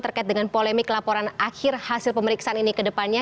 terkait dengan polemik laporan akhir hasil pemeriksaan ini ke depannya